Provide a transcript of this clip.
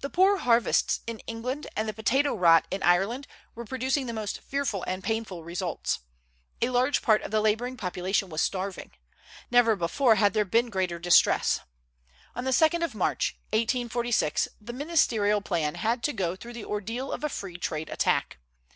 The poor harvests in England and the potato rot in Ireland were producing the most fearful and painful results. A large part of the laboring population was starving. Never before had there been greater distress. On the 2d of March, 1846, the ministerial plan had to go through the ordeal of a free trade attack. Mr.